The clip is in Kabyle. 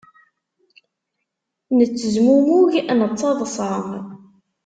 Nettezmumug nettaḍsa.